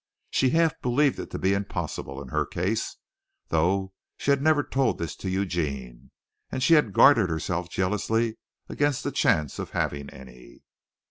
She half believed it to be impossible in her case, though she had never told this to Eugene, and she had guarded herself jealously against the chance of having any.